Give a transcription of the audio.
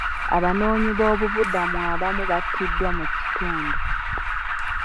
Abanoonyiboobubudamu abamu battiddwa mu kitundu.